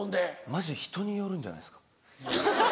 マジで人によるんじゃないですか？